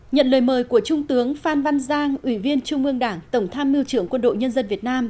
nhận lời mời của trung tướng phan văn giang ủy viên trung ương đảng tổng tham mưu trưởng quân đội nhân dân việt nam